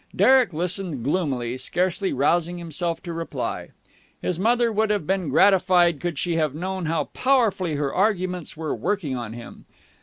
Derek listened gloomily, scarcely rousing himself to reply. His mother would have been gratified could she have known how powerfully her arguments were working on him.